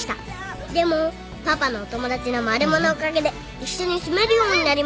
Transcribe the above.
でもパパのお友達のマルモのおかげで一緒に住めるようになりました